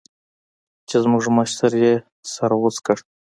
چې زموږ مشر يې سر غوڅ کړ.